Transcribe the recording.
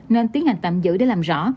nên tiến hành tạm giữ để làm rõ